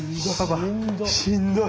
しんどい！